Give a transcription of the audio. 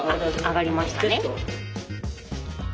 あがりましたね。